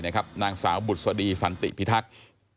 นางสาวบุษดีสันติพิทักษ์